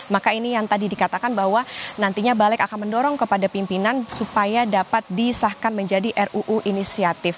maka ini yang tadi dikatakan bahwa nantinya balik akan mendorong kepada pimpinan supaya dapat disahkan menjadi ruu inisiatif